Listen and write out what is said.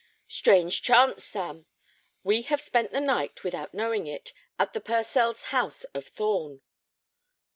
"Strange chance, Sam! We have spent the night, without knowing it, at the Purcells's house of Thorn."